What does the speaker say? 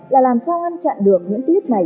là làm sao ngăn chặn được những clip này